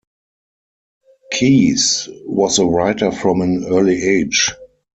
Keyes was a writer from an early age.